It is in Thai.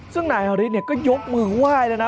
ซึ่งนายฮฤษฐ์เนี่ยก็ยกมือไหว้แล้วนะ